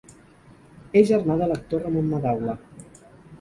És germà de l'actor Ramon Madaula.